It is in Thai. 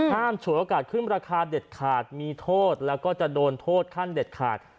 ฉวยโอกาสขึ้นราคาเด็ดขาดมีโทษแล้วก็จะโดนโทษขั้นเด็ดขาด